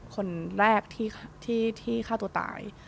คนแรกที่ฆ่าตัวตาย